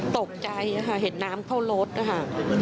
ตกใจค่ะเห็นน้ำเข้ารถนะคะ